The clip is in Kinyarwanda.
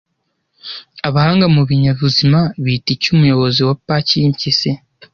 Abahanga mu binyabuzima bita iki umuyobozi wapaki yimpyisi